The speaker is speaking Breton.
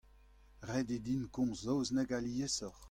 Ret eo din komz saozneg aliesoc'h.